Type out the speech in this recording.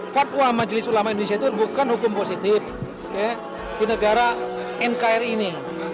fatwa majelis ulama indonesia itu bukan hukum positif di negara nkri ini